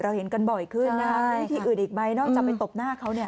เห็นกันบ่อยขึ้นนะคะมีที่อื่นอีกไหมนอกจากไปตบหน้าเขาเนี่ย